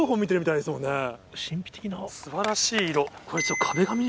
神秘的な素晴らしい色。